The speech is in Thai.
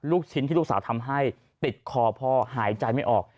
ลูกชิ้นที่ลูกสาวทำให้ติดคอพ่อหายใจไม่ออก